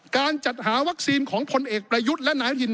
การจัดหาวัคซีนของพลเอกประยุทธ์และนายอนุทิน